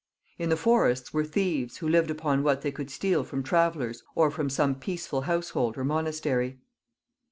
In the forests were thieves, who lived upon what they could steal from travellers or from some peaceful household or monastery.